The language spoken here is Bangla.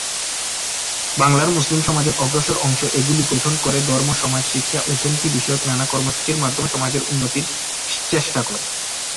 বাংলার মুসলিম সমাজের অগ্রসর অংশ এগুলি গঠন করে ধর্ম, সমাজ, শিক্ষা, অর্থনীতি বিষয়ক নানা কর্মসূচির মাধ্যমে সমাজের উন্নতির চেষ্টা করে।